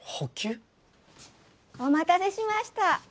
お待たせしました。